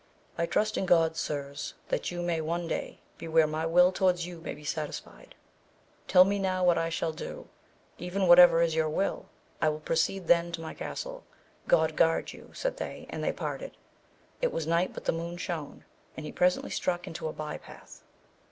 I trust in God sirs that you may one day be where my will towards you may be satisfied I tell me now what I shall do? — Even whatever is your will. — I will pro ceed then to my castle— God guard you, said they, and they parted. It was night but the moon shone, and he presently struck into a bye path.